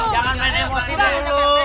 jangan main emosi dulu